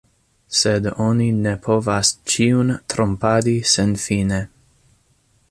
Sed oni ne povas ĉiun trompadi senfine.